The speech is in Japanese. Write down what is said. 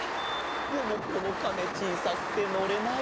でもこのカメちいさくてのれない。